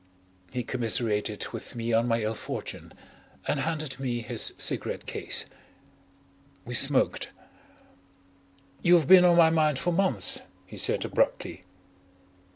He commiserated with me on my ill fortune, and handed me his cigarette case. We smoked. "You've been on my mind for months," he said abruptly.